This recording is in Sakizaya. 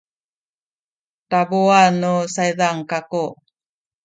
tabuan nu saydan kaku